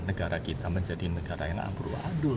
negara kita menjadi negara yang ambrul adul